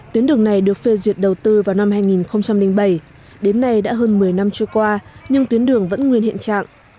tuyến đường này được phê duyệt đầu tư vào năm hai nghìn bảy đến nay đã hơn một mươi năm trôi qua nhưng tuyến đường vẫn nguyên hiện trạng